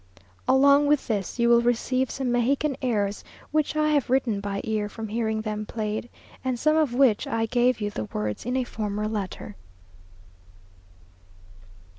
Along with this you will receive some Mexican airs, which I have written by ear from hearing them played, and of some of which I gave you the words in a former letter.